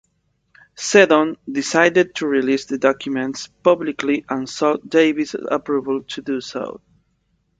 Seddon decided to release the documents publicly and sought Davis' approval to do so.